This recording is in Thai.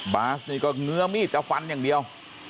บาสนี่ก็เงื้อมีดจะฟันอย่างเดียว